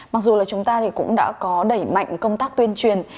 mặc dù là chúng ta thì cũng đã có đẩy mạnh công tác tuyên truyền